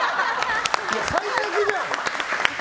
最悪じゃん！